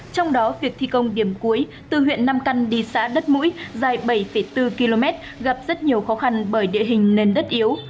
trong đó việc thi công điểm cuối từ huyện nam căn đi xã đất mũi dài bảy bốn km gặp rất nhiều khó khăn bởi địa hình nền đất yếu